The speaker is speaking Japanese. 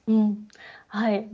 はい。